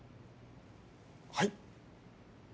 はい？